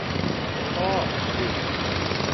Ofspylje.